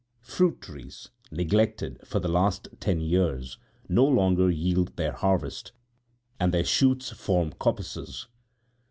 Fruit trees, neglected for the last ten years, no longer yield their harvest, and their shoots form coppices.